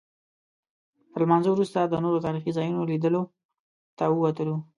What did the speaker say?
تر لمانځه وروسته د نورو تاریخي ځایونو لیدلو ته ووتلو.